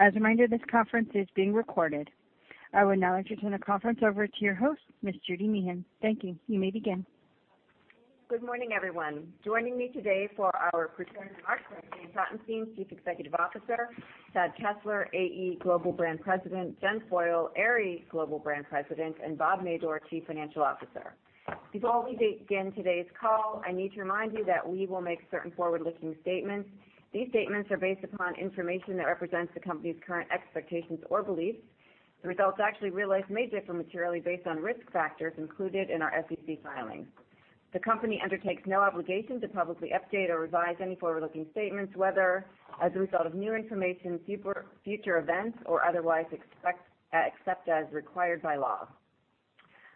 As a reminder, this conference is being recorded. I would now like to turn the conference over to your host, Ms. Judy Meehan. Thank you. You may begin. Good morning, everyone. Joining me today for our pre-earnings remarks are Jay Schottenstein, Chief Executive Officer, Chad Kessler, AE Global Brand President, Jennifer Foyle, Aerie Global Brand President, and Bob Madore, Chief Financial Officer. Before we begin today's call, I need to remind you that we will make certain forward-looking statements. These statements are based upon information that represents the company's current expectations or beliefs. The results actually realized may differ materially based on risk factors included in our SEC filings. The company undertakes no obligation to publicly update or revise any forward-looking statements, whether as a result of new information, future events or otherwise, except as required by law.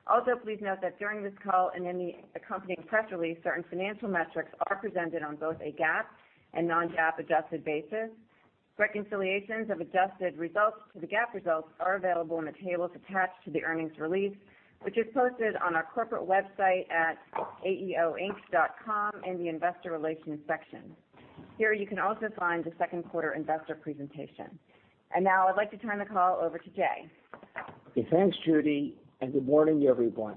Also, please note that during this call and in the accompanying press release, certain financial metrics are presented on both a GAAP and non-GAAP adjusted basis. Reconciliations of adjusted results to the GAAP results are available in the tables attached to the earnings release, which is posted on our corporate website at aeo-inc.com in the investor relations section. Here, you can also find the second quarter investor presentation. Now I'd like to turn the call over to Jay. Thanks, Judy, and good morning, everyone.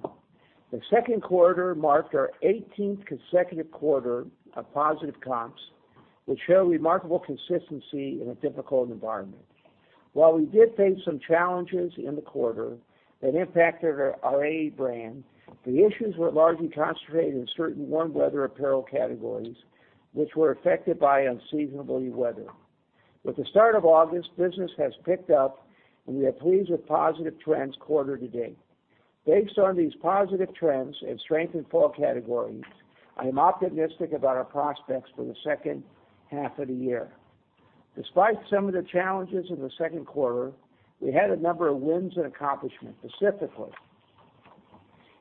The second quarter marked our 18th consecutive quarter of positive comps, which show remarkable consistency in a difficult environment. While we did face some challenges in the quarter that impacted our AE brand, the issues were largely concentrated in certain warm weather apparel categories, which were affected by unseasonable weather. With the start of August, business has picked up, and we are pleased with positive trends quarter to date. Based on these positive trends and strength in fall categories, I am optimistic about our prospects for the second half of the year. Despite some of the challenges in the second quarter, we had a number of wins and accomplishments. Specifically,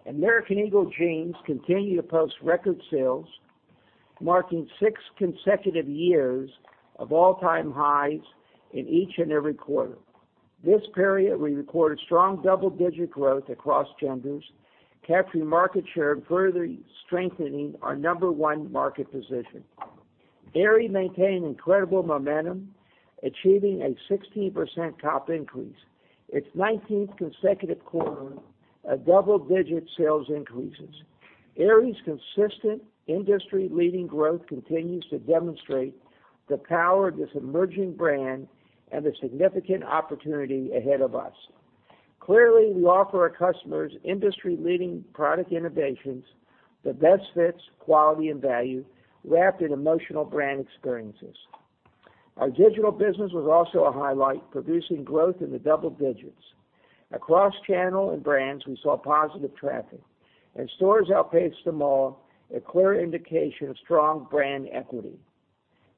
American Eagle jeans continued to post record sales, marking six consecutive years of all-time highs in each and every quarter. This period, we recorded strong double-digit growth across genders, capturing market share and further strengthening our number one market position. Aerie maintained incredible momentum, achieving a 16% comp increase, its 19th consecutive quarter of double-digit sales increases. Aerie's consistent industry-leading growth continues to demonstrate the power of this emerging brand and the significant opportunity ahead of us. Clearly, we offer our customers industry-leading product innovations, the best fits, quality, and value, wrapped in emotional brand experiences. Our digital business was also a highlight, producing growth in the double digits. Across channel and brands, we saw positive traffic, and stores outpaced them all, a clear indication of strong brand equity.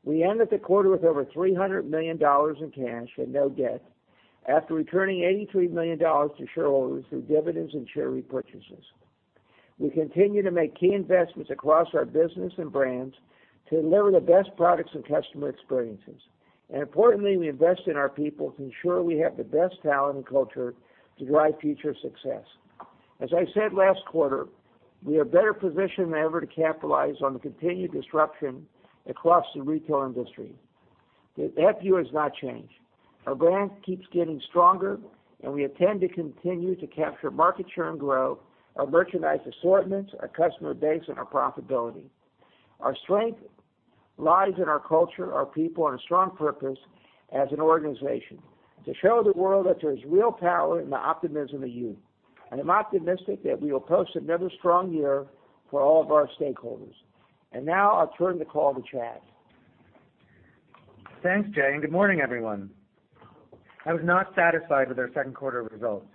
We ended the quarter with over $300 million in cash and no debt after returning $83 million to shareholders through dividends and share repurchases. We continue to make key investments across our business and brands to deliver the best products and customer experiences. Importantly, we invest in our people to ensure we have the best talent and culture to drive future success. As I said last quarter, we are better positioned than ever to capitalize on the continued disruption across the retail industry. That view has not changed. Our brand keeps getting stronger, and we intend to continue to capture market share and grow our merchandise assortments, our customer base, and our profitability. Our strength lies in our culture, our people, and a strong purpose as an organization to show the world that there's real power in the optimism of youth. I'm optimistic that we will post another strong year for all of our stakeholders. Now I'll turn the call to Chad. Thanks, Jay. Good morning, everyone. I was not satisfied with our second quarter results.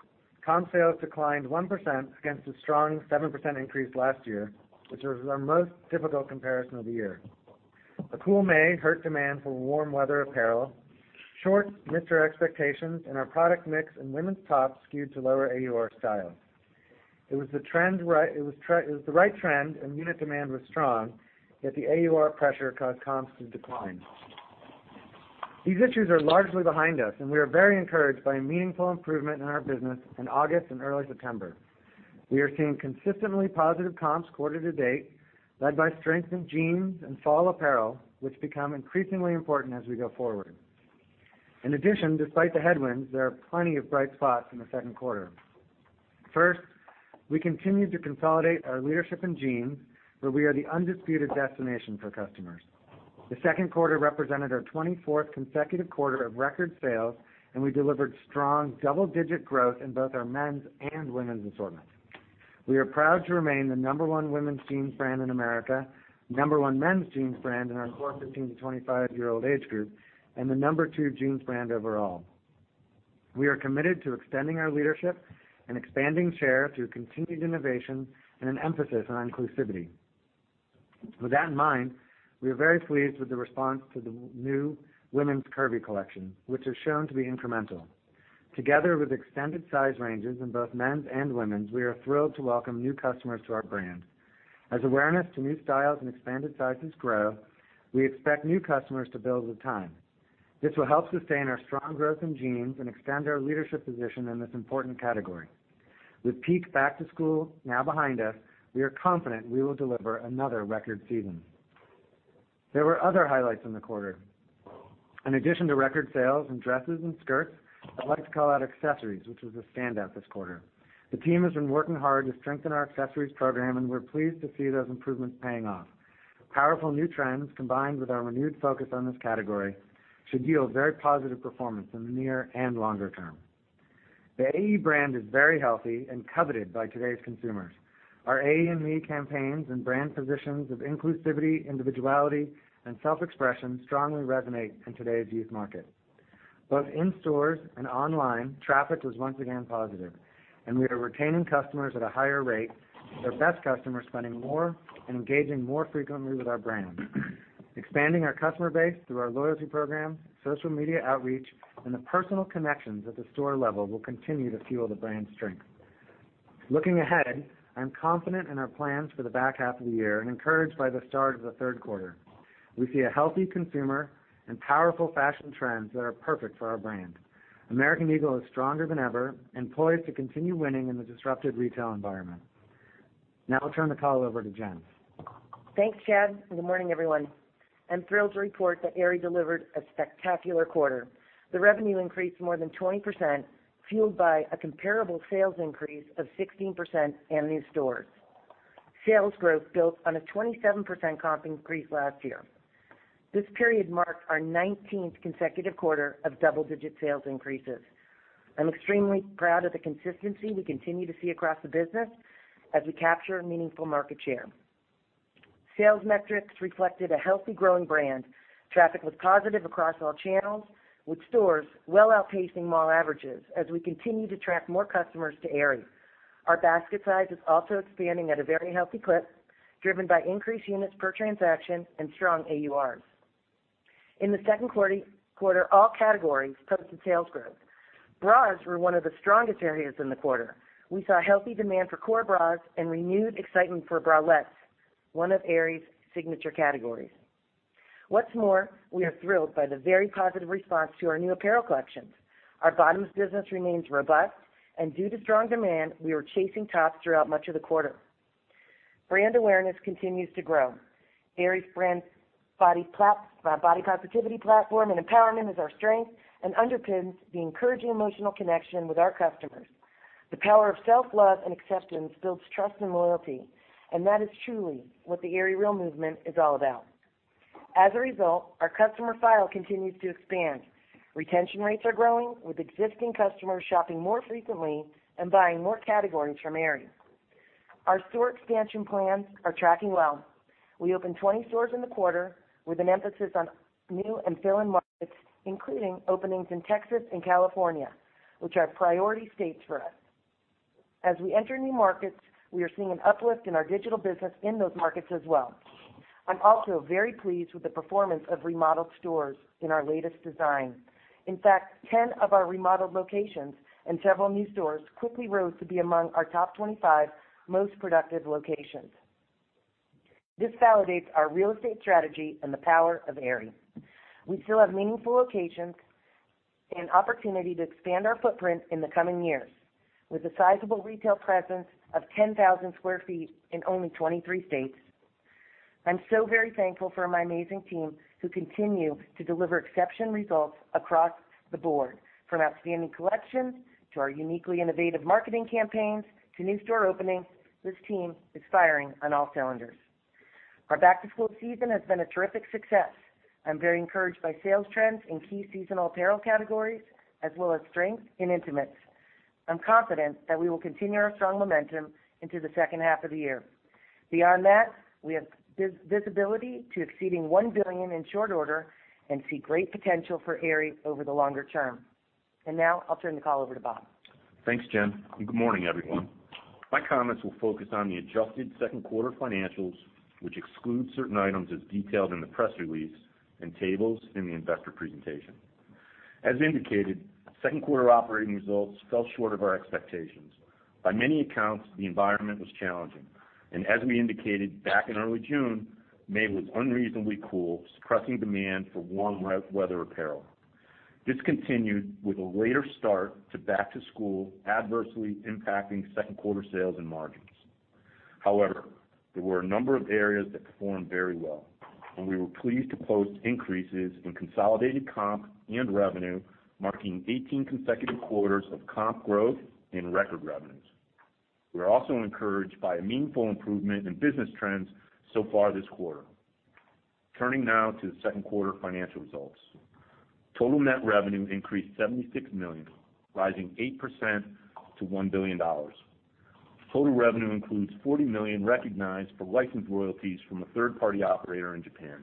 Comp sales declined 1% against a strong 7% increase last year, which was our most difficult comparison of the year. A cool May hurt demand for warm weather apparel. Shorts missed our expectations, and our product mix in women's tops skewed to lower AUR styles. It was the right trend and unit demand was strong, yet the AUR pressure caused comps to decline. These issues are largely behind us, and we are very encouraged by a meaningful improvement in our business in August and early September. We are seeing consistently positive comps quarter to date, led by strength in jeans and fall apparel, which become increasingly important as we go forward. In addition, despite the headwinds, there are plenty of bright spots in the second quarter. First, we continued to consolidate our leadership in jeans, where we are the undisputed destination for customers. The second quarter represented our 24th consecutive quarter of record sales, and we delivered strong double-digit growth in both our men's and women's assortments. We are proud to remain the number one women's jeans brand in America, number one men's jeans brand in our core 15 to 25-year-old age group, and the number two jeans brand overall. We are committed to extending our leadership and expanding share through continued innovation and an emphasis on inclusivity. With that in mind, we are very pleased with the response to the new women's Curvy collection, which has shown to be incremental. Together with extended size ranges in both men's and women's, we are thrilled to welcome new customers to our brand. As awareness to new styles and expanded sizes grow, we expect new customers to build with time. This will help sustain our strong growth in jeans and extend our leadership position in this important category. With peak back to school now behind us, we are confident we will deliver another record season. There were other highlights in the quarter. In addition to record sales in dresses and skirts, I'd like to call out accessories, which was a standout this quarter. The team has been working hard to strengthen our accessories program, and we're pleased to see those improvements paying off. Powerful new trends, combined with our renewed focus on this category, should yield very positive performance in the near and longer term. The AE brand is very healthy and coveted by today's consumers. Our AE and Me campaigns and brand positions of inclusivity, individuality, and self-expression strongly resonate in today's youth market. Both in stores and online, traffic was once again positive, and we are retaining customers at a higher rate, with our best customers spending more and engaging more frequently with our brand. Expanding our customer base through our loyalty program, social media outreach, and the personal connections at the store level will continue to fuel the brand's strength. Looking ahead, I'm confident in our plans for the back half of the year and encouraged by the start of the third quarter. We see a healthy consumer and powerful fashion trends that are perfect for our brand. American Eagle is stronger than ever and poised to continue winning in the disruptive retail environment. Now I'll turn the call over to Jen. Thanks, Chad. Good morning, everyone. I'm thrilled to report that Aerie delivered a spectacular quarter. The revenue increased more than 20%, fueled by a comparable sales increase of 16% in new stores. Sales growth built on a 27% comp increase last year. This period marks our 19th consecutive quarter of double-digit sales increases. I'm extremely proud of the consistency we continue to see across the business as we capture meaningful market share. Sales metrics reflected a healthy growing brand. Traffic was positive across all channels, with stores well outpacing mall averages as we continue to attract more customers to Aerie. Our basket size is also expanding at a very healthy clip, driven by increased units per transaction and strong AURs. In the second quarter, all categories posted sales growth. Bras were one of the strongest areas in the quarter. We saw healthy demand for core bras and renewed excitement for bralettes, one of Aerie's signature categories. What's more, we are thrilled by the very positive response to our new apparel collections. Our bottoms business remains robust, and due to strong demand, we were chasing tops throughout much of the quarter. Brand awareness continues to grow. Aerie's brand body positivity platform and empowerment is our strength and underpins the encouraging emotional connection with our customers. The power of self-love and acceptance builds trust and loyalty, and that is truly what the AerieReal movement is all about. As a result, our customer file continues to expand. Retention rates are growing, with existing customers shopping more frequently and buying more categories from Aerie. Our store expansion plans are tracking well. We opened 20 stores in the quarter, with an emphasis on new and fill-in markets, including openings in Texas and California, which are priority states for us. As we enter new markets, we are seeing an uplift in our digital business in those markets as well. I'm also very pleased with the performance of remodeled stores in our latest design. In fact, 10 of our remodeled locations and several new stores quickly rose to be among our top 25 most productive locations. This validates our real estate strategy and the power of Aerie. We still have meaningful locations and opportunity to expand our footprint in the coming years. With a sizable retail presence of 10,000 sq ft in only 23 states, I'm so very thankful for my amazing team who continue to deliver exceptional results across the board. From outstanding collections to our uniquely innovative marketing campaigns to new store openings, this team is firing on all cylinders. Our back-to-school season has been a terrific success. I'm very encouraged by sales trends in key seasonal apparel categories as well as strength in intimates. I'm confident that we will continue our strong momentum into the second half of the year. Beyond that, we have visibility to exceeding $1 billion in short order and see great potential for Aerie over the longer term. Now I'll turn the call over to Bob. Thanks, Jen, and good morning, everyone. My comments will focus on the adjusted second quarter financials, which exclude certain items as detailed in the press release and tables in the investor presentation. As indicated, second quarter operating results fell short of our expectations. By many accounts, the environment was challenging, and as we indicated back in early June, May was unreasonably cool, suppressing demand for warm weather apparel. This continued with a later start to back to school, adversely impacting second quarter sales and margins. However, there were a number of areas that performed very well, and we were pleased to post increases in consolidated comp and revenue, marking 18 consecutive quarters of comp growth and record revenues. We are also encouraged by a meaningful improvement in business trends so far this quarter. Turning now to the second quarter financial results. Total net revenue increased $76 million, rising 8% to $1 billion. Total revenue includes $40 million recognized for licensed royalties from a third-party operator in Japan.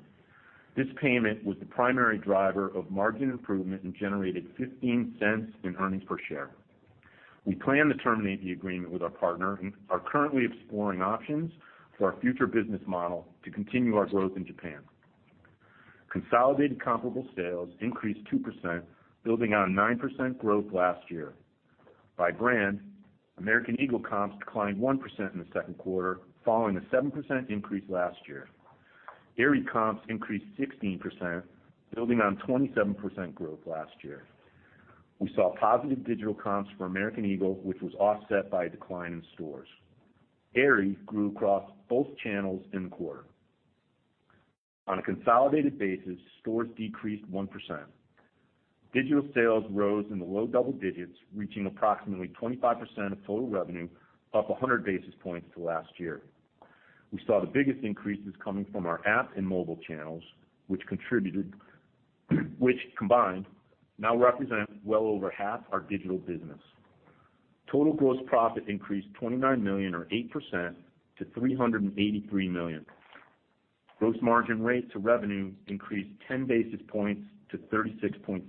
This payment was the primary driver of margin improvement and generated $0.15 in earnings per share. We plan to terminate the agreement with our partner and are currently exploring options for our future business model to continue our growth in Japan. Consolidated comparable sales increased 2%, building on a 9% growth last year. By brand, American Eagle comps declined 1% in the second quarter, following a 7% increase last year. Aerie comps increased 16%, building on 27% growth last year. We saw positive digital comps for American Eagle, which was offset by a decline in stores. Aerie grew across both channels in the quarter. On a consolidated basis, stores decreased 1%. Digital sales rose in the low double digits, reaching approximately 25% of total revenue, up 100 basis points to last year. We saw the biggest increases coming from our app and mobile channels, which combined now represent well over half our digital business. Total gross profit increased $29 million or 8% to $383 million. Gross margin rate to revenue increased 10 basis points to 36.7%.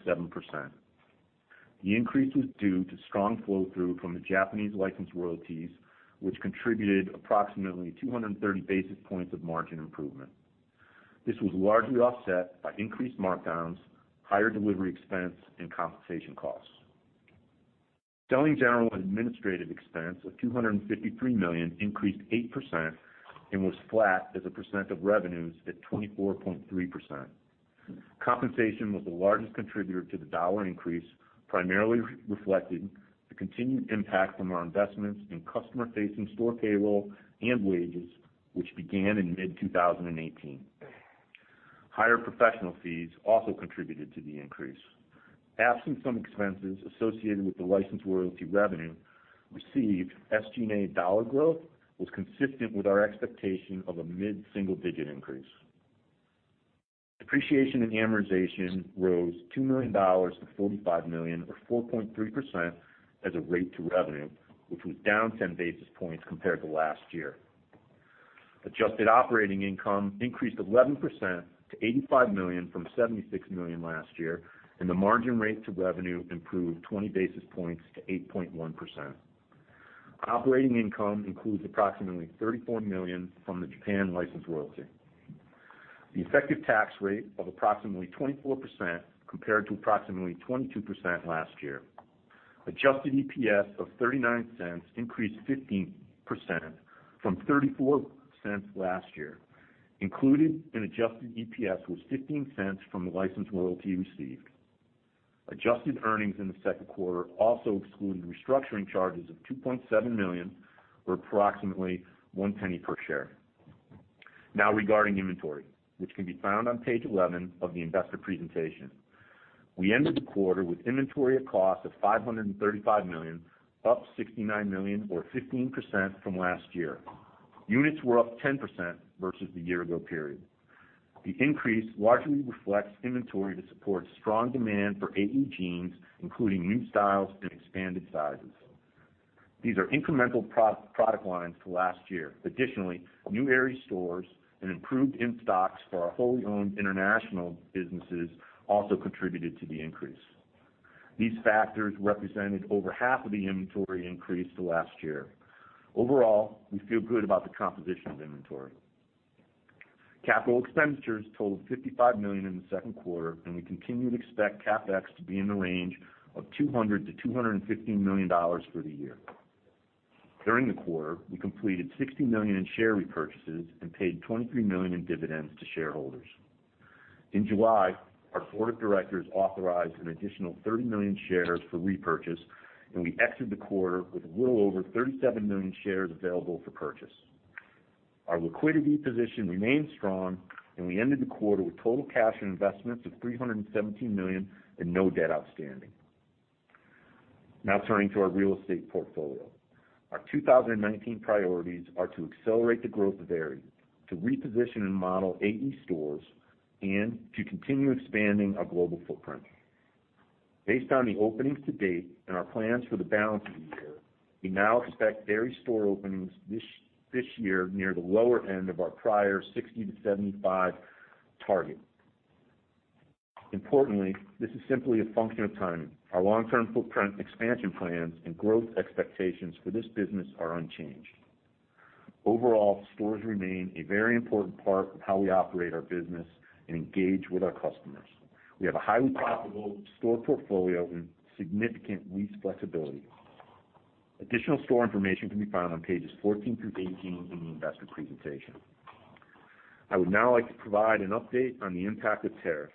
The increase was due to strong flow-through from the Japanese license royalties, which contributed approximately 230 basis points of margin improvement. This was largely offset by increased markdowns, higher delivery expense, and compensation costs. Selling, general, and administrative expense was $253 million, increased 8%, and was flat as a percent of revenues at 24.3%. Compensation was the largest contributor to the dollar increase, primarily reflecting the continued impact from our investments in customer-facing store payroll and wages, which began in mid-2018. Higher professional fees also contributed to the increase. Absent some expenses associated with the license royalty revenue received, SG&A dollar growth was consistent with our expectation of a mid-single-digit increase. Depreciation and amortization rose $2 million to $45 million or 4.3% as a rate to revenue, which was down 10 basis points compared to last year. Adjusted operating income increased 11% to $85 million from $76 million last year, and the margin rate to revenue improved 20 basis points to 8.1%. Operating income includes approximately $34 million from the Japan license royalty. The effective tax rate of approximately 24% compared to approximately 22% last year. Adjusted EPS of $0.39 increased 15% from $0.34 last year. Included in adjusted EPS was $0.15 from the license royalty received. Adjusted earnings in the second quarter also excluded restructuring charges of $2.7 million or approximately $0.01 per share. Now, regarding inventory, which can be found on page 11 of the investor presentation. We ended the quarter with inventory of cost of $535 million, up $69 million or 15% from last year. Units were up 10% versus the year-ago period. The increase largely reflects inventory to support strong demand for AE jeans, including new styles and expanded sizes. These are incremental product lines to last year. Additionally, new Aerie stores and improved in-stocks for our wholly owned international businesses also contributed to the increase. These factors represented over half of the inventory increase to last year. Overall, we feel good about the composition of inventory. Capital expenditures totaled $55 million in the second quarter, and we continue to expect CapEx to be in the range of $200 million-$250 million for the year. During the quarter, we completed $60 million in share repurchases and paid $23 million in dividends to shareholders. In July, our board of directors authorized an additional 30 million shares for repurchase, and we exited the quarter with a little over 37 million shares available for purchase. Our liquidity position remains strong, and we ended the quarter with total cash and investments of $317 million and no debt outstanding. Now turning to our real estate portfolio. Our 2019 priorities are to accelerate the growth of Aerie, to reposition and model AE stores, and to continue expanding our global footprint. Based on the openings to date and our plans for the balance of the year, we now expect Aerie store openings this year near the lower end of our prior 60-75 target. Importantly, this is simply a function of timing. Our long-term footprint expansion plans and growth expectations for this business are unchanged. Overall, stores remain a very important part of how we operate our business and engage with our customers. We have a highly profitable store portfolio and significant lease flexibility. Additional store information can be found on pages 14 through 18 in the investor presentation. I would now like to provide an update on the impact of tariffs.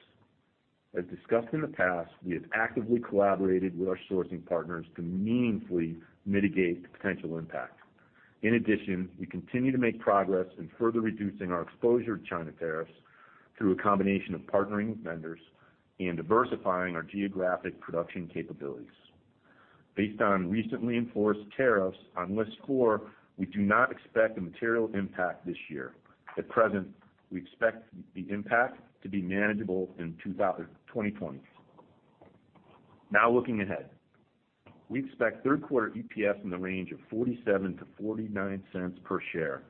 As discussed in the past, we have actively collaborated with our sourcing partners to meaningfully mitigate the potential impact. We continue to make progress in further reducing our exposure to China tariffs through a combination of partnering with vendors and diversifying our geographic production capabilities. Based on recently enforced tariffs on list 4, we do not expect a material impact this year. At present, we expect the impact to be manageable in 2020. Looking ahead. We expect third quarter EPS in the range of $0.47-$0.49 per share.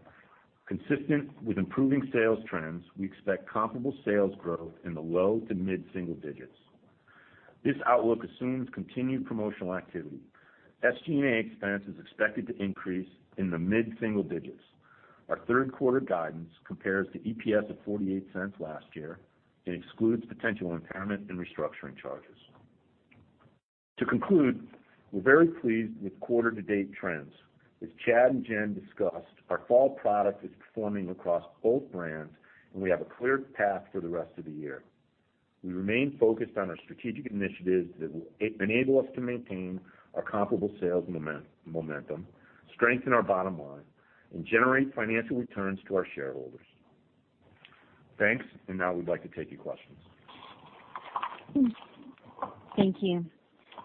Consistent with improving sales trends, we expect comparable sales growth in the low to mid-single digits. This outlook assumes continued promotional activity. SG&A expense is expected to increase in the mid-single digits. Our third quarter guidance compares to EPS of $0.48 last year and excludes potential impairment and restructuring charges. To conclude. We're very pleased with quarter-to-date trends. As Chad and Jen discussed, our fall product is performing across both brands, and we have a clear path for the rest of the year. We remain focused on our strategic initiatives that will enable us to maintain our comparable sales momentum, strengthen our bottom line, and generate financial returns to our shareholders. Thanks. Now we'd like to take your questions. Thank you.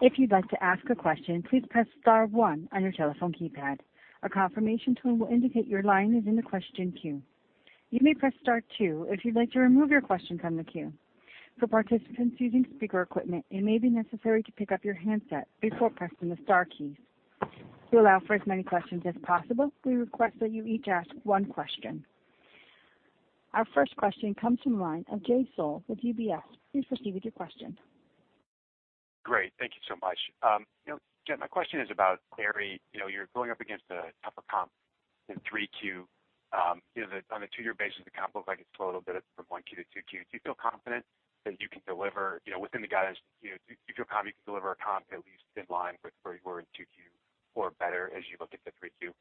If you'd like to ask a question, please press *1 on your telephone keypad. A confirmation tone will indicate your line is in the question queue. You may press *2 if you'd like to remove your question from the queue. For participants using speaker equipment, it may be necessary to pick up your handset before pressing the star keys. To allow for as many questions as possible, we request that you each ask one question. Our first question comes from the line of Jay Sole with UBS. Please proceed with your question. Great. Thank you so much. Jen, my question is about Aerie. You're going up against a tougher comp in 3Q. On a two-year basis, the comp looks like it's total, but it's from 1Q to 2Q. Do you feel confident that you can deliver within the guidance Q? Do you feel confident you can deliver a comp at least in line with where you were in 2Q or better as you look at the 3Q?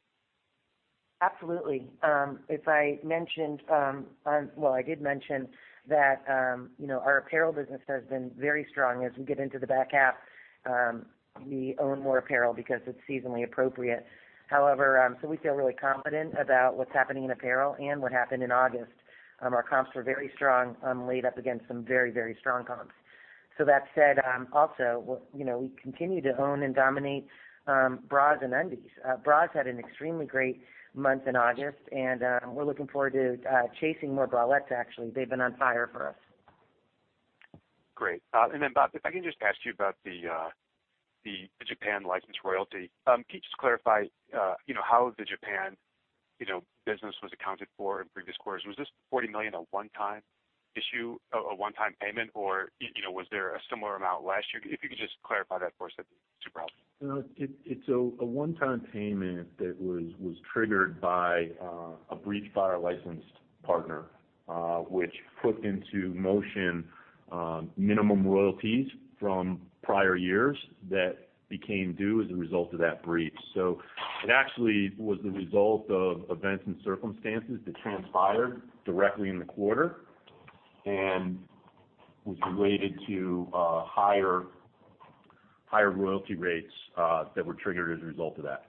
Absolutely. As I did mention that our apparel business has been very strong. As we get into the back half, we own more apparel because it's seasonally appropriate. We feel really confident about what's happening in apparel and what happened in August. Our comps were very strong, laid up against some very strong comps. That said, also we continue to own and dominate bras and undies. Bras had an extremely great month in August, and we're looking forward to chasing more bralettes, actually. They've been on fire for us. Great. Bob, if I can just ask you about the Japan license royalty. Can you just clarify how the Japan business was accounted for in previous quarters? Was this $40 million a one-time issue, a one-time payment, or was there a similar amount last year? If you could just clarify that for us, that'd be super helpful. It's a one-time payment that was triggered by a breach by our licensed partner which put into motion minimum royalties from prior years that became due as a result of that breach. It actually was the result of events and circumstances that transpired directly in the quarter and was related to higher royalty rates that were triggered as a result of that.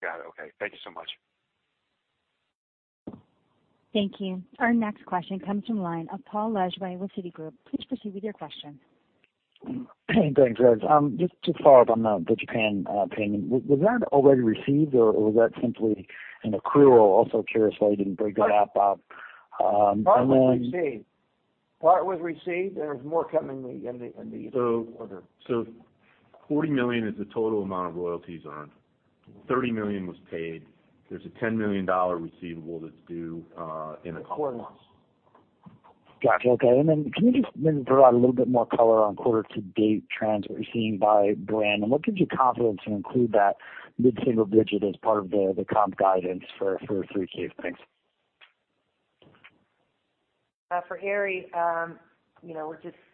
Got it. Okay. Thank you so much. Thank you. Our next question comes from the line of Paul Lejuez with Citigroup. Please proceed with your question. Thanks, guys. Just to follow up on the Japan payment. Was that already received, or was that simply an accrual? Also curious why you didn't break that out, Bob? Part was received. There's more coming in the fourth quarter. $40 million is the total amount of royalties earned. $30 million was paid. There's a $10 million receivable that's due in a couple months. Got you. Okay. Can you just maybe provide a little bit more color on quarter to date trends, what you're seeing by brand, and what gives you confidence to include that mid-single digit as part of the comp guidance for 3Q? Thanks. For Aerie,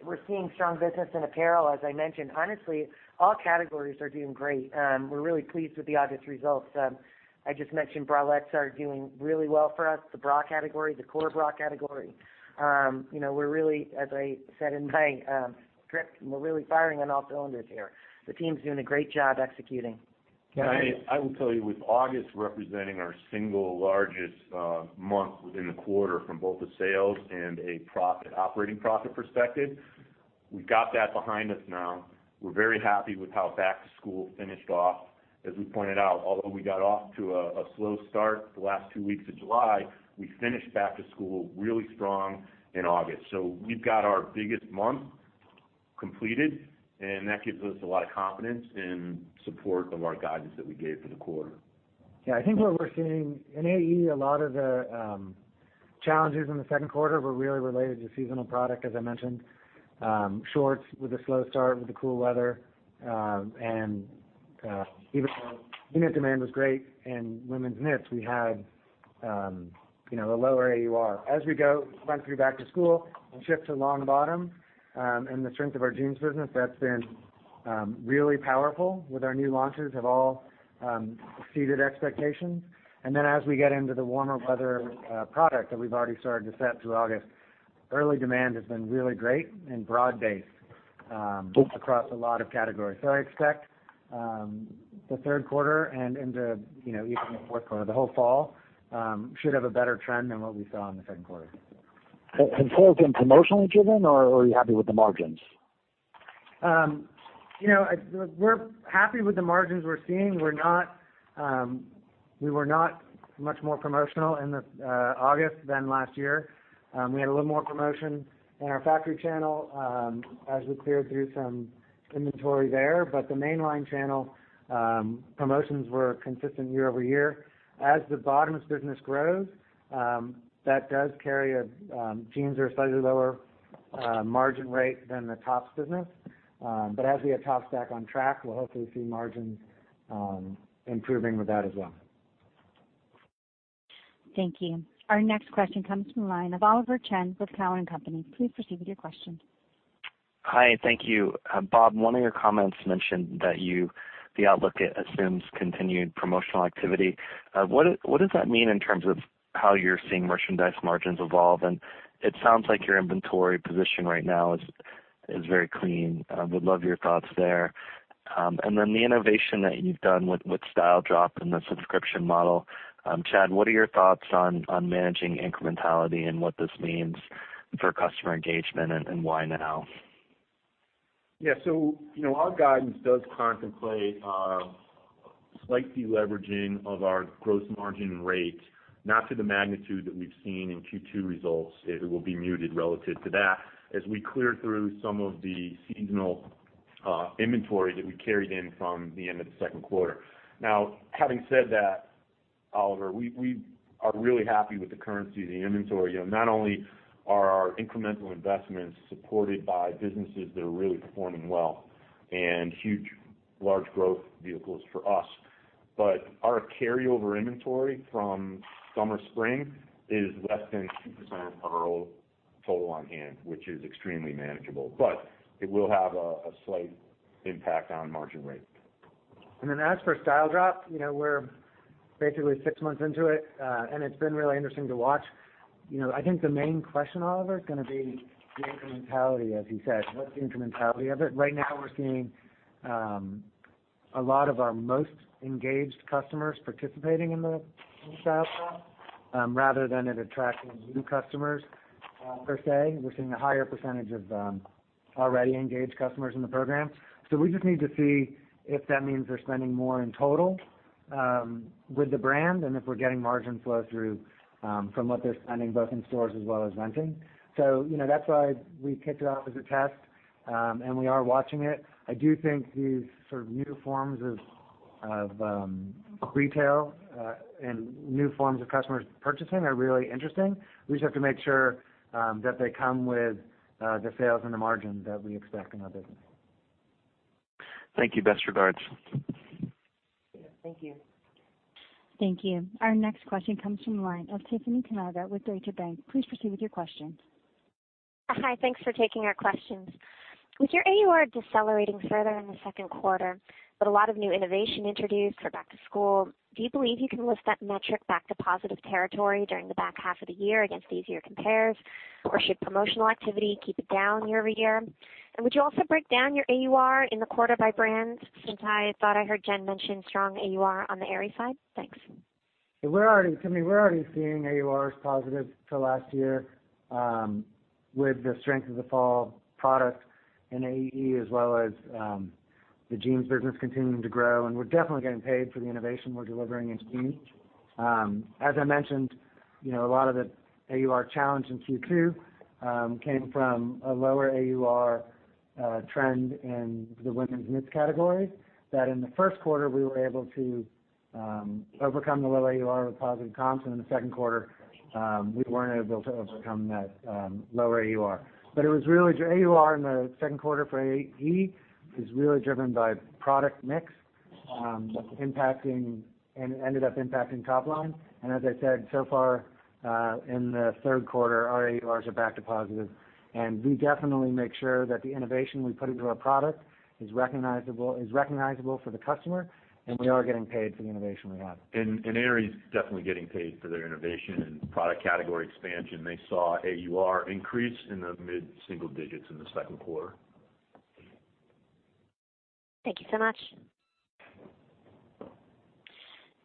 we're seeing strong business in apparel, as I mentioned. Honestly, all categories are doing great. We're really pleased with the August results. I just mentioned bralettes are doing really well for us. The bra category, the core bra category. We're really, as I said in my script, and we're really firing on all cylinders here. The team's doing a great job executing. Go ahead. I will tell you with August representing our single largest month within the quarter from both the sales and an operating profit perspective, we've got that behind us now. We're very happy with how back to school finished off. As we pointed out, although we got off to a slow start the last two weeks of July, we finished back to school really strong in August. We've got our biggest month completed, and that gives us a lot of confidence in support of our guidance that we gave for the quarter. Yeah. I think what we're seeing in AE, a lot of the challenges in the second quarter were really related to seasonal product as I mentioned. Shorts with a slow start with the cool weather. Even though unit demand was great in women's knits, we had a lower AUR. As we go run through back to school and shift to long bottom and the strength of our jeans business, that's been really powerful with our new launches have all exceeded expectations. As we get into the warmer weather product that we've already started to set through August, early demand has been really great and broad-based across a lot of categories. I expect the third quarter and into even the fourth quarter, the whole fall should have a better trend than what we saw in the second quarter. Has fall been promotionally driven, or are you happy with the margins? We're happy with the margins we're seeing. We were not much more promotional in August than last year. We had a little more promotion in our factory channel as we cleared through some inventory there. The mainline channel promotions were consistent year-over-year. As the bottoms business grows, that does carry jeans are a slightly lower margin rate than the tops business. As we get tops back on track, we'll hopefully see margins improving with that as well. Thank you. Our next question comes from the line of Oliver Chen with Cowen and Company. Please proceed with your question. Hi, thank you. Bob, one of your comments mentioned that the outlook assumes continued promotional activity. What does that mean in terms of how you're seeing merchandise margins evolve? It sounds like your inventory position right now is very clean. Would love your thoughts there. The innovation that you've done with Style Drop and the subscription model. Chad, what are your thoughts on managing incrementality and what this means for customer engagement and why now? Our guidance does contemplate a slight deleveraging of our gross margin rate, not to the magnitude that we've seen in Q2 results. It will be muted relative to that as we clear through some of the seasonal inventory that we carried in from the end of the second quarter. Having said that, Oliver, we are really happy with the currency of the inventory. Not only are our incremental investments supported by businesses that are really performing well and huge, large growth vehicles for us, our carryover inventory from summer-spring is less than 2% of our total on-hand, which is extremely manageable. It will have a slight impact on margin rate. As for Style Drop, we're basically six months into it. It's been really interesting to watch. I think the main question, Oliver, is going to be the incrementality, as he said. What's the incrementality of it? Right now we're seeing a lot of our most engaged customers participating in the Style Drop, rather than it attracting new customers per se. We're seeing a higher percentage of already engaged customers in the program. We just need to see if that means they're spending more in total with the brand and if we're getting margin flow through from what they're spending both in stores as well as renting. That's why we kicked it off as a test. We are watching it. I do think these sort of new forms of retail, and new forms of customers purchasing are really interesting. We just have to make sure that they come with the sales and the margin that we expect in our business. Thank you. Best regards. Yeah. Thank you. Thank you. Our next question comes from the line of Tiffany Kanaga with B. Riley FBR. Please proceed with your question. Hi. Thanks for taking our questions. With your AUR decelerating further in the second quarter, but a lot of new innovation introduced for back to school, do you believe you can lift that metric back to positive territory during the back half of the year against easier compares? Should promotional activity keep it down year-over-year? Would you also break down your AUR in the quarter by brands, since I thought I heard Jen mention strong AUR on the Aerie side? Thanks. Tiffany, we're already seeing AUR as positive to last year with the strength of the fall product in AE, as well as the jeans business continuing to grow. We're definitely getting paid for the innovation we're delivering in jeans. As I mentioned, a lot of the AUR challenge in Q2 came from a lower AUR trend in the women's knits category, that in the first quarter, we were able to overcome the low AUR with positive comps, and in the second quarter, we weren't able to overcome that low AUR. AUR in the second quarter for AE is really driven by product mix and it ended up impacting top line. As I said, so far in the third quarter, our AURs are back to positive. We definitely make sure that the innovation we put into our product is recognizable for the customer, and we are getting paid for the innovation we have. Aerie's definitely getting paid for their innovation and product category expansion. They saw AUR increase in the mid-single digits in the second quarter. Thank you so much.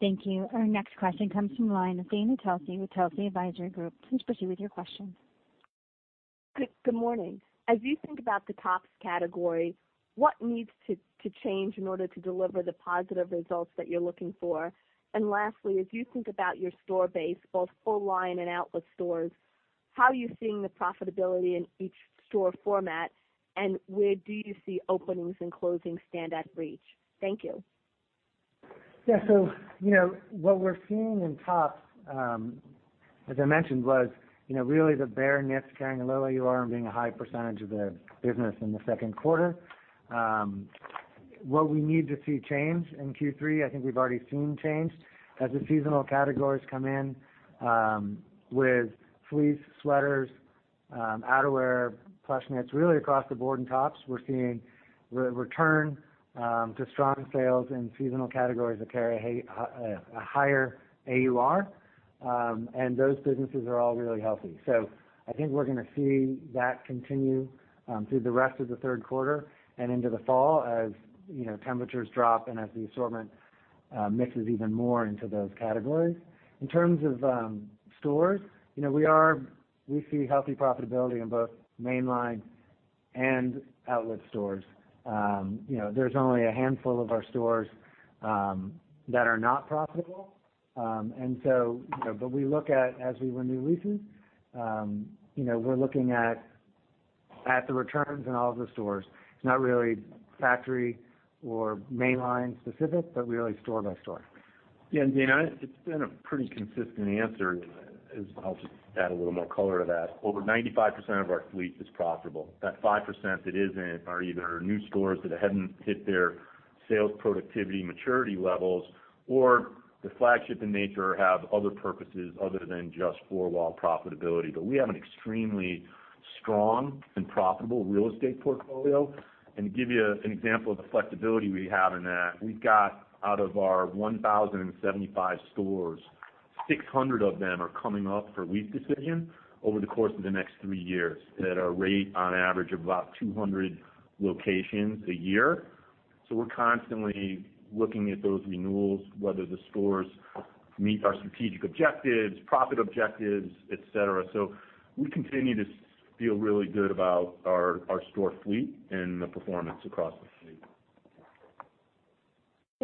Thank you. Our next question comes from the line of Dana Telsey with Telsey Advisory Group. Please proceed with your question. Good morning. As you think about the tops category, what needs to change in order to deliver the positive results that you're looking for? Lastly, as you think about your store base, both full-line and outlet stores, how are you seeing the profitability in each store format? Where do you see openings and closings stand at AE? Thank you. Yeah. What we're seeing in tops, as I mentioned, was really the bare knits carrying a low AUR and being a high percentage of the business in the second quarter. What we need to see change in Q3, I think we've already seen change. As the seasonal categories come in with fleece, sweaters, outerwear, plush knits, really across the board in tops, we're seeing return to strong sales in seasonal categories that carry a higher AUR. Those businesses are all really healthy. I think we're going to see that continue through the rest of the third quarter and into the fall as temperatures drop and as the assortment mixes even more into those categories. In terms of stores, we see healthy profitability in both mainline and outlet stores. There's only a handful of our stores that are not profitable. As we renew leases, we're looking at the returns in all of the stores. It's not really factory or mainline specific, but really store by store. Yeah. Dana, it's been a pretty consistent answer. I'll just add a little more color to that. Over 95% of our fleet is profitable. That 5% that isn't are either new stores that haven't hit their sales productivity maturity levels, or the flagship in nature have other purposes other than just four-wall profitability. We have an extremely strong and profitable real estate portfolio. To give you an example of the flexibility we have in that, we've got out of our 1,075 stores, 600 of them are coming up for lease decision over the course of the next three years at a rate on average of about 200 locations a year. We're constantly looking at those renewals, whether the stores meet our strategic objectives, profit objectives, et cetera. We continue to feel really good about our store fleet and the performance across the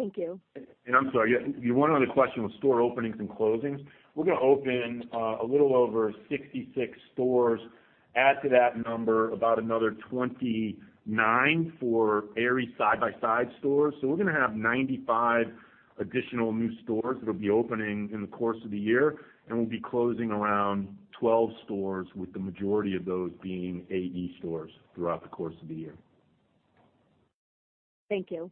fleet. Thank you. I'm sorry, your one other question was store openings and closings. We're going to open a little over 66 stores. Add to that number about another 29 for Aerie side-by-side stores. We're going to have 95 additional new stores that'll be opening in the course of the year, and we'll be closing around 12 stores, with the majority of those being AE stores, throughout the course of the year. Thank you.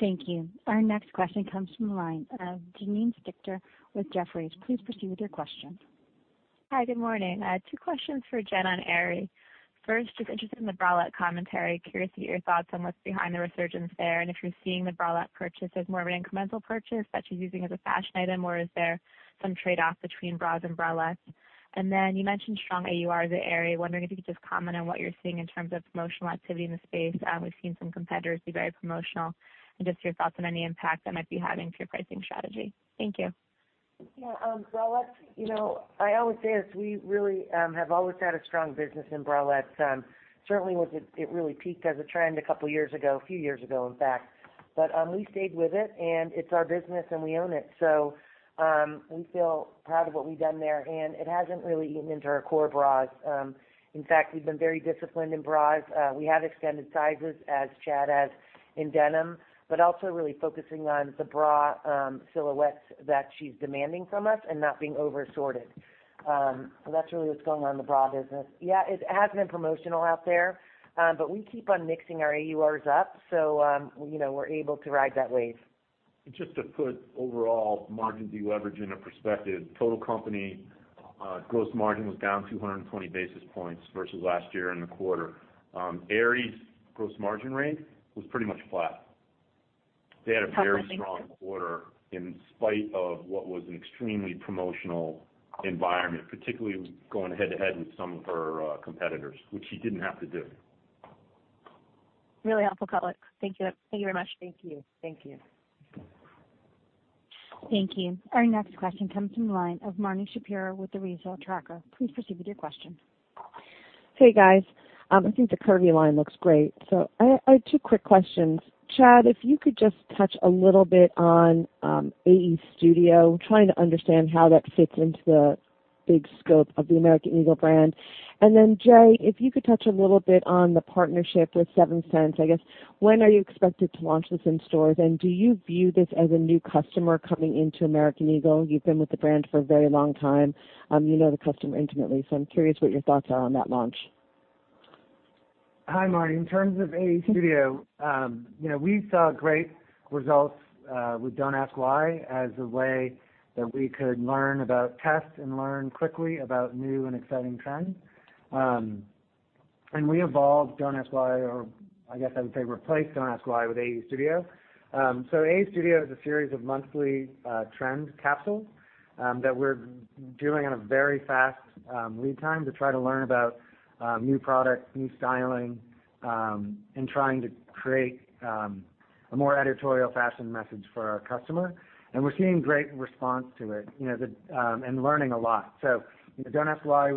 Thank you. Our next question comes from the line of Janine Stichter with Jefferies. Please proceed with your question. Hi, good morning. Two questions for Jen on Aerie. First, just interested in the bralette commentary. Curious to get your thoughts on what's behind the resurgence there, and if you're seeing the bralette purchase as more of an incremental purchase that she's using as a fashion item, or is there some trade-off between bras and bralettes? You mentioned strong AURs at Aerie. Wondering if you could just comment on what you're seeing in terms of promotional activity in the space. We've seen some competitors be very promotional, and just your thoughts on any impact that might be having to your pricing strategy. Thank you. Yeah. On bralettes, I always say this, we really have always had a strong business in bralettes. Certainly, it really peaked as a trend a couple of years ago, a few years ago, in fact. We stayed with it, and it's our business and we own it. We feel proud of what we've done there, and it hasn't really eaten into our core bras. In fact, we've been very disciplined in bras. We have extended sizes, as Chad has in denim, but also really focusing on the bra silhouettes that she's demanding from us and not being over-sorted. That's really what's going on in the bra business. Yeah, it has been promotional out there. We keep on mixing our AURs up, so we're able to ride that wave. Just to put overall margin de-leveraging in perspective, total company gross margin was down 220 basis points versus last year in the quarter. Aerie's gross margin rate was pretty much flat. They had a very strong quarter in spite of what was an extremely promotional environment, particularly going head to head with some of her competitors, which she didn't have to do. Really helpful color. Thank you very much. Thank you. Thank you. Our next question comes from the line of Marni Shapiro with The Retail Tracker. Please proceed with your question. Hey, guys. I think the Curvy line looks great. I have 2 quick questions. Chad, if you could just touch a little bit on AE Studio. Trying to understand how that fits into the big scope of the American Eagle brand. Jay, if you could touch a little bit on the partnership with Seventh Sense. I guess, when are you expected to launch this in stores? Do you view this as a new customer coming into American Eagle? You've been with the brand for a very long time. You know the customer intimately, I'm curious what your thoughts are on that launch. Hi, Marni. In terms of AE Studio, we saw great results with Don't Ask Why as a way that we could test and learn quickly about new and exciting trends. We evolved Don't Ask Why, or I guess I would say replaced Don't Ask Why with AE Studio. AE Studio is a series of monthly trend capsules that we're doing on a very fast lead time to try to learn about new products, new styling, and trying to create a more editorial fashion message for our customer. We're seeing great response to it and learning a lot. Don't Ask Why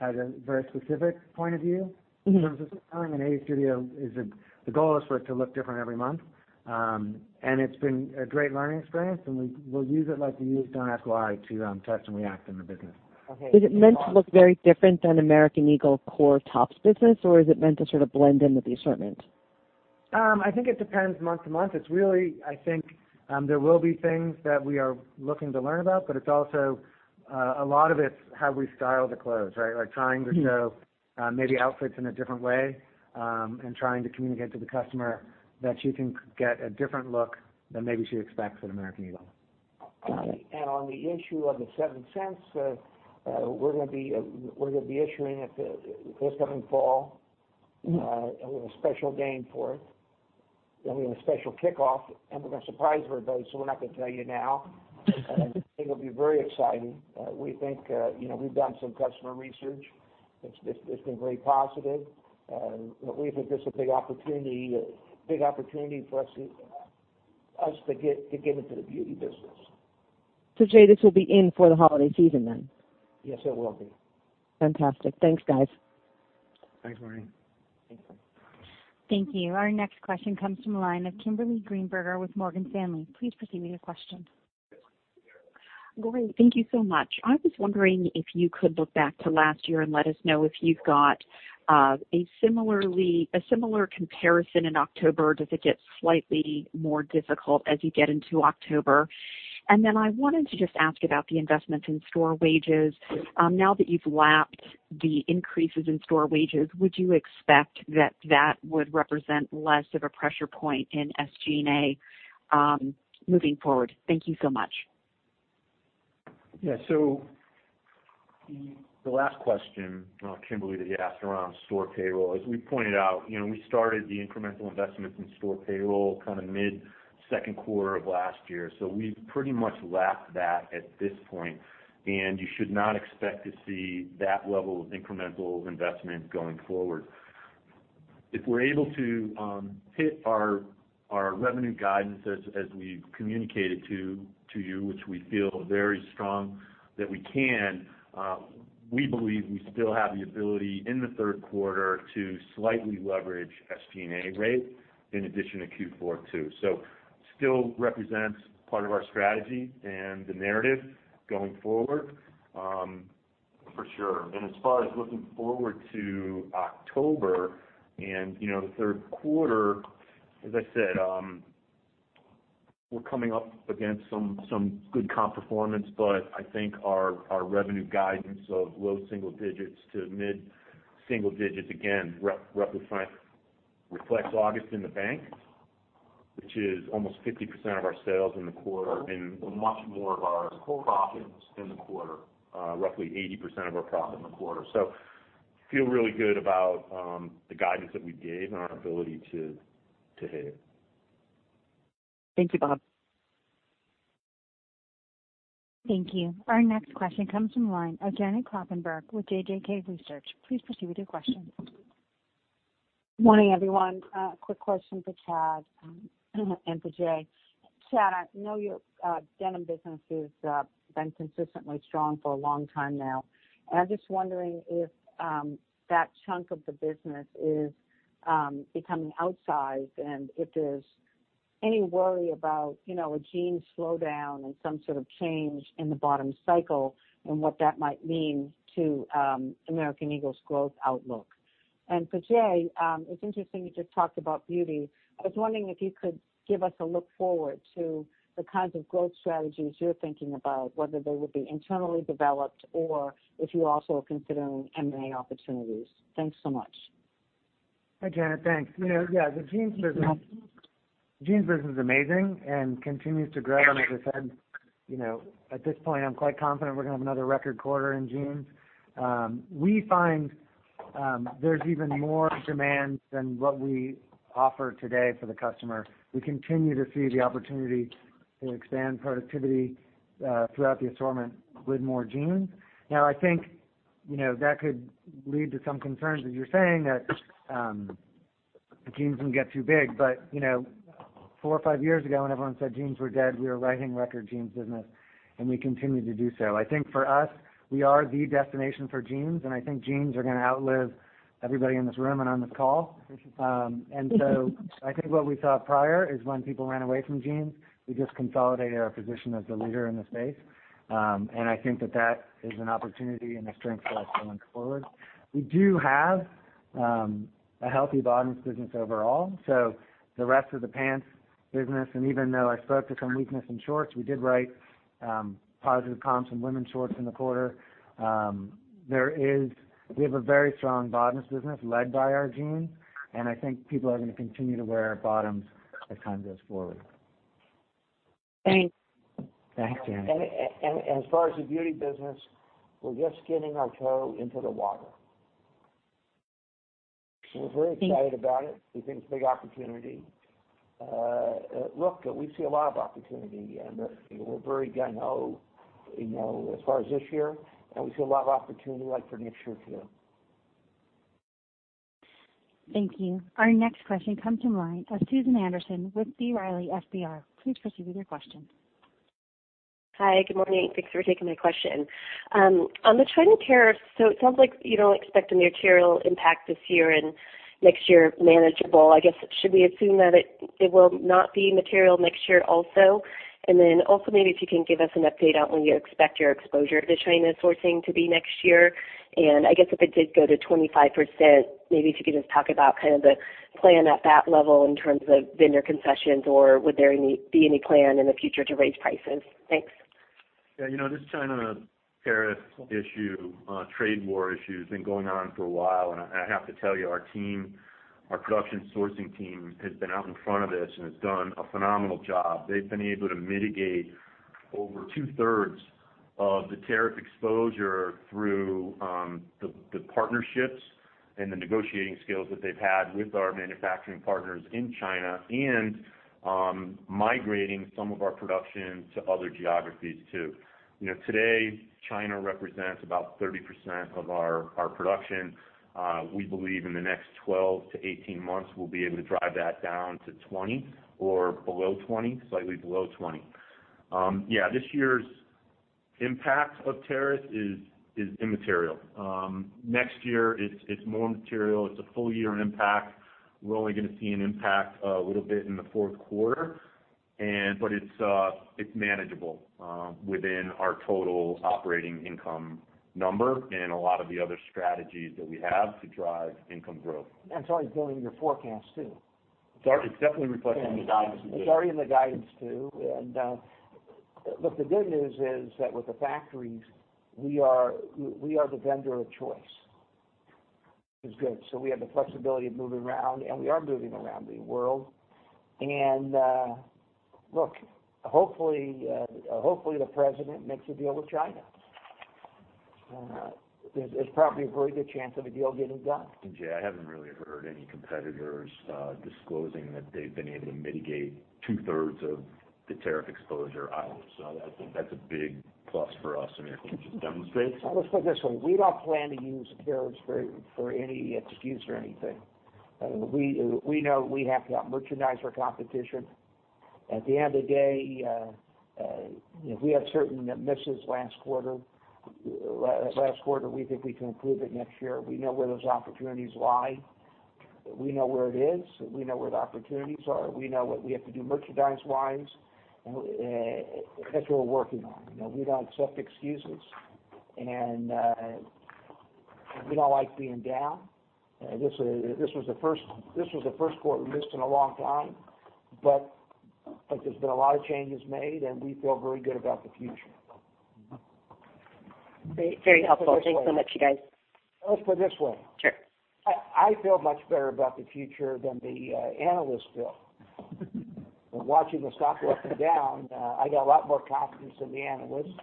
had a very specific point of view in terms of styling, and AE Studio, the goal is for it to look different every month. It's been a great learning experience, and we'll use it like we used Don't Ask Why to test and react in the business. Is it meant to look very different than American Eagle core tops business, or is it meant to sort of blend in with the assortment? I think it depends month to month. I think there will be things that we are looking to learn about, but a lot of it's how we style the clothes, right? Like trying to show maybe outfits in a different way, and trying to communicate to the customer that she can get a different look than maybe she expects at American Eagle. Got it. On the issue of the Seventh Sense, we're gonna be issuing it this coming fall with a special game for it. There'll be a special kickoff, and we're gonna surprise everybody, so we're not gonna tell you now. It'll be very exciting. We've done some customer research. It's been very positive. We think this is a big opportunity for us to get into the beauty business. Jay, this will be in for the holiday season then? Yes, it will be. Fantastic. Thanks, guys. Thanks, Marni. Thank you. Thank you. Our next question comes from the line of Kimberly Greenberger with Morgan Stanley. Please proceed with your question. [Going]. Thank you so much. I was wondering if you could look back to last year and let us know if you've got a similar comparison in October. Does it get slightly more difficult as you get into October? Then I wanted to just ask about the investments in store wages. Now that you've lapped the increases in store wages, would you expect that that would represent less of a pressure point in SG&A moving forward? Thank you so much. Yeah. The last question, Kimberly, that you asked around store payroll, as we pointed out, we started the incremental investments in store payroll mid second quarter of last year. We've pretty much lapped that at this point, and you should not expect to see that level of incremental investment going forward. If we're able to hit our revenue guidance as we've communicated to you, which we feel very strong that we can, we believe we still have the ability in the third quarter to slightly leverage SG&A rate in addition to Q4 too. Still represents part of our strategy and the narrative going forward for sure. As far as looking forward to October and the third quarter, as I said, we're coming up against some good comp performance, but I think our revenue guidance of low single digits to mid single digits, again, roughly reflects August in the bank, which is almost 50% of our sales in the quarter and much more of our profits in the quarter, roughly 80% of our profit in the quarter. Feel really good about the guidance that we gave and our ability to hit it. Thank you, Bob. Thank you. Our next question comes from the line of Janet Kloppenburg with JJK Research. Please proceed with your question. Morning, everyone. Quick question for Chad and for Jay. Chad, I know your denim business has been consistently strong for a long time now, and I'm just wondering if that chunk of the business is becoming outsized and if there's any worry about a jeans slowdown and some sort of change in the bottom cycle and what that might mean to American Eagle's growth outlook. For Jay, it's interesting you just talked about beauty. I was wondering if you could give us a look forward to the kinds of growth strategies you're thinking about, whether they would be internally developed or if you also are considering M&A opportunities. Thanks so much. Hi, Janet. Thanks. Yeah, the jeans business is amazing and continues to grow. As I said, at this point, I'm quite confident we're going to have another record quarter in jeans. We find there's even more demand than what we offer today for the customer. We continue to see the opportunity to expand productivity throughout the assortment with more jeans. I think that could lead to some concerns, as you're saying, that jeans can get too big. Four or five years ago, when everyone said jeans were dead, we were writing record jeans business, and we continue to do so. I think for us, we are the destination for jeans, and I think jeans are going to outlive everybody in this room and on this call. I think what we saw prior is when people ran away from jeans, we just consolidated our position as the leader in the space. I think that that is an opportunity and a strength for us going forward. We do have a healthy bottoms business overall. The rest of the pants business, and even though I spoke to some weakness in shorts, we did write positive comps in women's shorts in the quarter. We have a very strong bottoms business led by our jeans, and I think people are going to continue to wear our bottoms as time goes forward. Thanks. Thanks, Janet. As far as the beauty business, we're just getting our toe into the water. We're very excited about it. We think it's a big opportunity. Look, we see a lot of opportunity and we're very gung ho as far as this year, and we see a lot of opportunity for next year, too. Thank you. Our next question comes from the line of Susan Anderson with B. Riley FBR. Please proceed with your question. Hi, good morning. Thanks for taking my question. On the China tariffs, it sounds like you don't expect a material impact this year and next year, manageable. I guess, should we assume that it will not be material next year also? Also, maybe if you can give us an update on when you expect your exposure to China sourcing to be next year. I guess if it did go to 25%, maybe if you could just talk about the plan at that level in terms of vendor concessions, or would there be any plan in the future to raise prices? Thanks. Yeah. This China tariff issue, trade war issue has been going on for a while. I have to tell you, our production sourcing team has been out in front of this and has done a phenomenal job. They've been able to mitigate over two-thirds of the tariff exposure through the partnerships and the negotiating skills that they've had with our manufacturing partners in China and migrating some of our production to other geographies, too. Today, China represents about 30% of our production. We believe in the next 12 to 18 months, we'll be able to drive that down to 20 or below 20, slightly below 20. Yeah, this year's impact of tariffs is immaterial. Next year it's more material. It's a full year impact. We're only going to see an impact a little bit in the fourth quarter. It's manageable within our total operating income number and a lot of the other strategies that we have to drive income growth. It's already built into your forecast, too. It's definitely reflected in the guidance. It's already in the guidance, too. Look, the good news is that with the factories, we are the vendor of choice, which is good. We have the flexibility of moving around, and we are moving around the world. Look, hopefully, the president makes a deal with China. There's probably a very good chance of a deal getting done. Jay, I haven't really heard any competitors disclosing that they've been able to mitigate two-thirds of the tariff exposure either. That's a big plus for us, I mean. Well, let's put it this way. We don't plan to use tariffs for any excuse for anything. We know we have to out-merchandise our competition. At the end of the day, if we had certain misses last quarter, we think we can improve it next year. We know where those opportunities lie. We know where it is. We know where the opportunities are. We know what we have to do merchandise-wise. That's what we're working on. We don't accept excuses, and we don't like being down. This was the first quarter we missed in a long time, but there's been a lot of changes made, and we feel very good about the future. Great. Very helpful. Thanks so much, you guys. Well, let's put it this way. Sure. I feel much better about the future than the analysts feel. From watching the stock up and down, I got a lot more confidence than the analysts.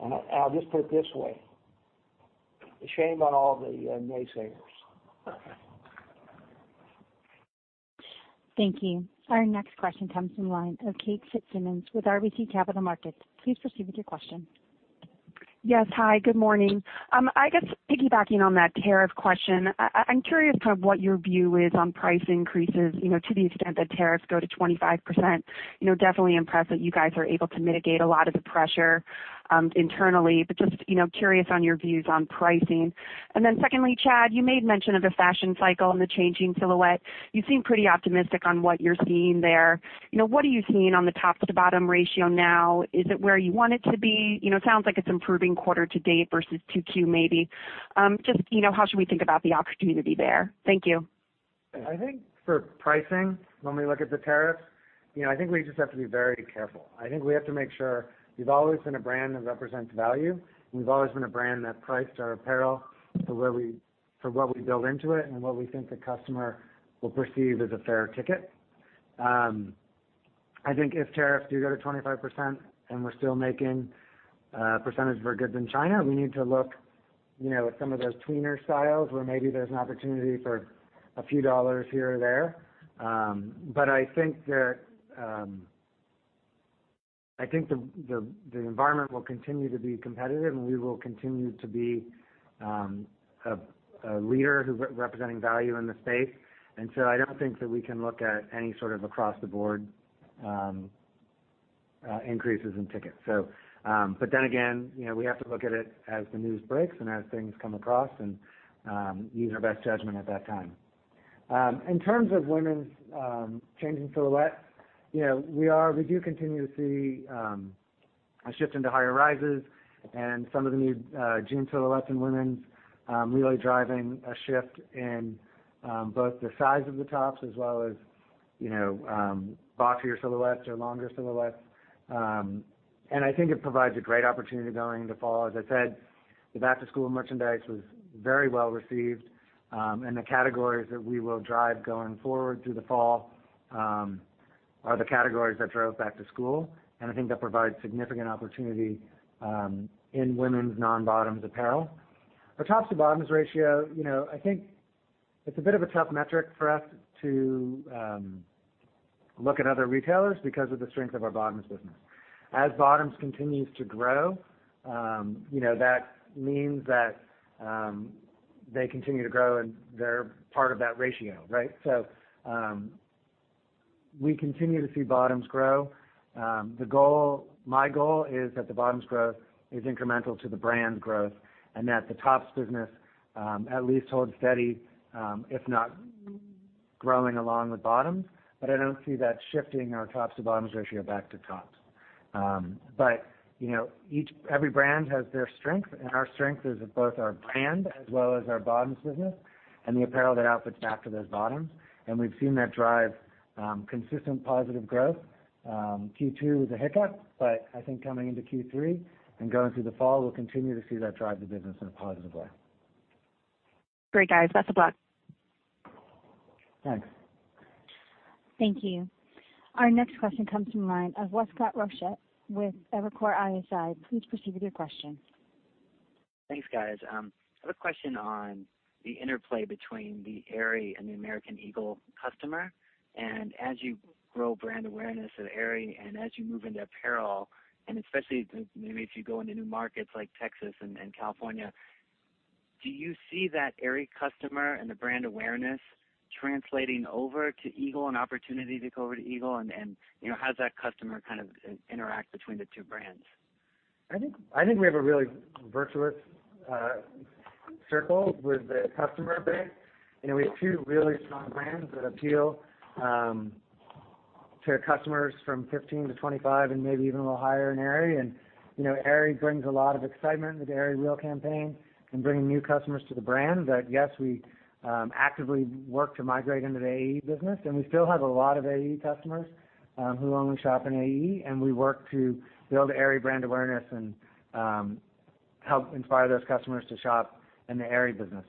I'll just put it this way. Shame on all the naysayers. Thank you. Our next question comes from the line of Kate Fitzsimons with RBC Capital Markets. Please proceed with your question. Yes. Hi, good morning. I guess piggybacking on that tariff question, I'm curious kind of what your view is on price increases, to the extent that tariffs go to 25%. Definitely impressed that you guys are able to mitigate a lot of the pressure internally, but just curious on your views on pricing. Secondly, Chad, you made mention of the fashion cycle and the changing silhouette. You seem pretty optimistic on what you're seeing there. What are you seeing on the top-to-bottom ratio now? Is it where you want it to be? It sounds like it's improving quarter to date versus 2Q maybe. Just how should we think about the opportunity there? Thank you. I think for pricing, when we look at the tariffs, I think we just have to be very careful. I think we have to make sure we've always been a brand that represents value, and we've always been a brand that priced our apparel for what we build into it and what we think the customer will perceive as a fair ticket. I think if tariffs do go to 25% and we're still making a percentage of our goods in China, we need to look at some of those tweener styles where maybe there's an opportunity for a few dollars here or there. I think the environment will continue to be competitive, and we will continue to be a leader who's representing value in the space. I don't think that we can look at any sort of across-the-board increases in ticket. Again, we have to look at it as the news breaks and as things come across and use our best judgment at that time. In terms of women's changing silhouette, we do continue to see a shift into higher rises and some of the new jean silhouettes in women's really driving a shift in both the size of the tops as well as boxier silhouettes or longer silhouettes. I think it provides a great opportunity going into fall. As I said, the back-to-school merchandise was very well received. The categories that we will drive going forward through the fall are the categories that drove back to school. I think that provides significant opportunity in women's non-bottoms apparel. Our tops to bottoms ratio, I think it's a bit of a tough metric for us to look at other retailers because of the strength of our bottoms business. As bottoms continues to grow, that means that they continue to grow and they're part of that ratio, right? We continue to see bottoms grow. My goal is that the bottoms growth is incremental to the brand growth and that the tops business at least holds steady, if not growing along with bottoms. I don't see that shifting our tops to bottoms ratio back to tops. Every brand has their strength, and our strength is both our brand as well as our bottoms business and the apparel that outputs back to those bottoms. We've seen that drive consistent positive growth. Q2 was a hiccup, but I think coming into Q3 and going through the fall, we'll continue to see that drive the business in a positive way. Great, guys. Best of luck. Thanks. Thank you. Our next question comes from the line of Westcott Rochette with Evercore ISI. Please proceed with your question. Thanks, guys. I have a question on the interplay between the Aerie and the American Eagle customer. As you grow brand awareness of Aerie and as you move into apparel, especially maybe as you go into new markets like Texas and California, do you see that Aerie customer and the brand awareness translating over to Eagle, an opportunity to go over to Eagle and how does that customer kind of interact between the two brands? I think we have a really virtuous circle with the customer base. We have two really strong brands that appeal to customers from 15 to 25 and maybe even a little higher in Aerie. Aerie brings a lot of excitement with the #AerieREAL campaign in bringing new customers to the brand. Yes, we actively work to migrate into the AE business, and we still have a lot of AE customers who only shop in AE, and we work to build Aerie brand awareness and help inspire those customers to shop in the Aerie business.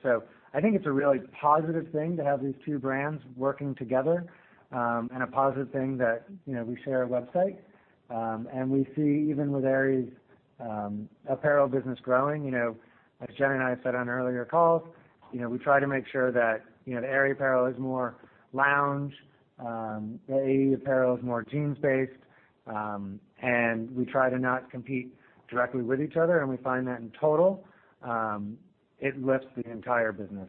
I think it's a really positive thing to have these two brands working together and a positive thing that we share a website. We see even with Aerie's apparel business growing, as Jen and I have said on earlier calls, we try to make sure that the Aerie apparel is more lounge, the AE apparel is more jeans-based. We try to not compete directly with each other, and we find that in total, it lifts the entire business.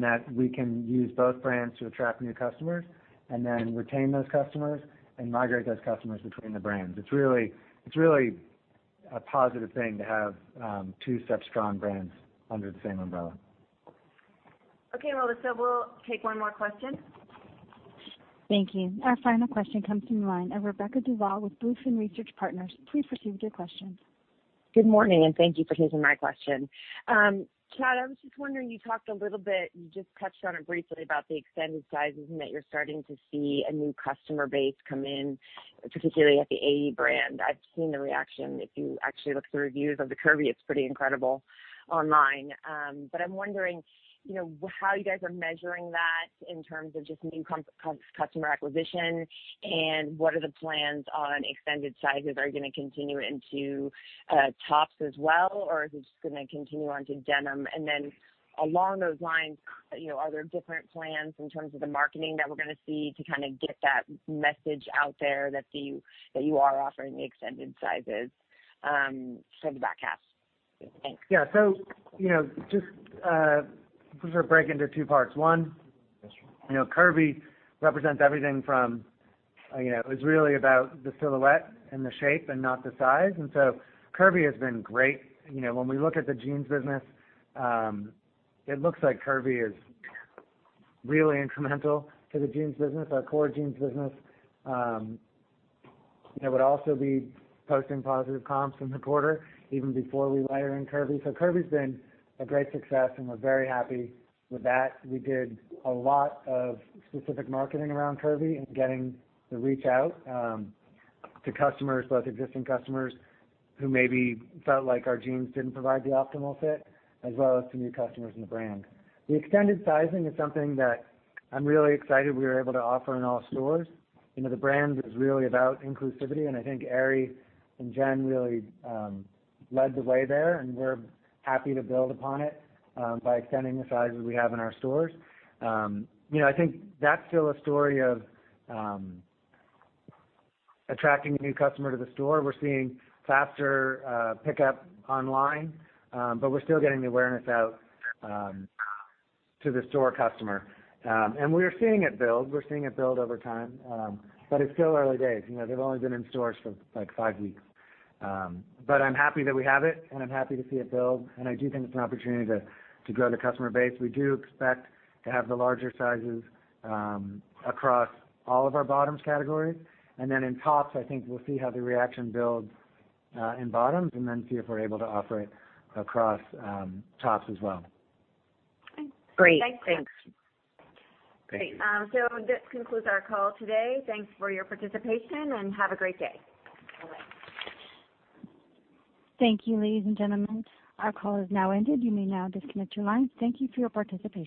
That we can use both brands to attract new customers and then retain those customers and migrate those customers between the brands. It's really a positive thing to have two such strong brands under the same umbrella. Okay, Melissa, we'll take one more question. Thank you. Our final question comes from the line of Rebecca Duval with BlueFin Research Partners. Please proceed with your question. Good morning, and thank you for taking my question. Chad, I was just wondering, you talked a little bit, you just touched on it briefly about the extended sizes and that you're starting to see a new customer base come in, particularly at the AE brand. I've seen the reaction. If you actually look at the reviews of the Curvy, it's pretty incredible online. I'm wondering how you guys are measuring that in terms of just new customer acquisition, and what are the plans on extended sizes? Are you going to continue into tops as well, or is it just going to continue on to denim? Along those lines, are there different plans in terms of the marketing that we're going to see to get that message out there that you are offering the extended sizes for the back half? Thanks. Yeah. Just to sort of break into two parts. One, Curvy represents everything from, it's really about the silhouette and the shape and not the size. Curvy has been great. When we look at the jeans business, it looks like Curvy is really incremental to the jeans business. Our core jeans business would also be posting positive comps in the quarter even before we layer in Curvy. Curvy's been a great success, and we're very happy with that. We did a lot of specific marketing around Curvy and getting the reach out to customers, both existing customers who maybe felt like our jeans didn't provide the optimal fit, as well as to new customers in the brand. The extended sizing is something that I'm really excited we were able to offer in all stores. The brand is really about inclusivity, and I think Aerie and Jen really led the way there, and we're happy to build upon it by extending the sizes we have in our stores. I think that's still a story of attracting a new customer to the store. We're seeing faster pickup online. We're still getting the awareness out to the store customer. We are seeing it build. We're seeing it build over time. It's still early days. They've only been in stores for five weeks. I'm happy that we have it, and I'm happy to see it build. I do think it's an opportunity to grow the customer base. We do expect to have the larger sizes across all of our bottoms categories. Then in tops, I think we'll see how the reaction builds in bottoms and then see if we're able to offer it across tops as well. Thanks. Great. Thanks. Thank you. Great. This concludes our call today. Thanks for your participation, and have a great day. Bye-bye. Thank you, ladies and gentlemen. Our call has now ended. You may now disconnect your line. Thank you for your participation.